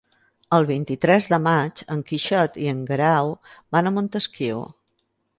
El vint-i-tres de maig en Quixot i en Guerau van a Montesquiu.